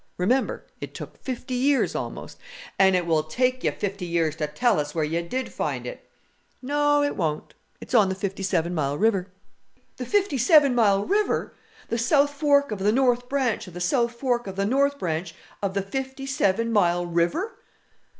Remember, it took fifty years almost " "And it will take you fifty years to tell us where you did find it." "No, it won't; it's on the Fifty Seven Mile River." "The Fifty Seven Mile River! The south fork of the north branch of the south fork of the north branch of the Fifty Seven Mile River!"